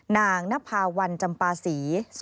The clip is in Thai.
นางนภาวันจำปาศรี